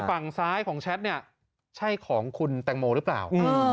ฝั่งซ้ายของแชทเนี่ยใช่ของคุณแตงโมหรือเปล่า